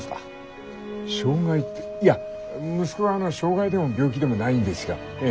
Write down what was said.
いや息子は障害でも病気でもないんですが。